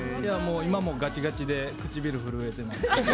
今もガチガチで唇、震えてます。